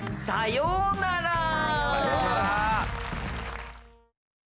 さようなら。